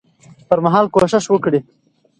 پر مهال کوشش وکړي